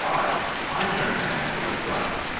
I turn the handle in front.